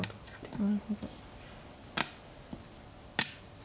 なるほど。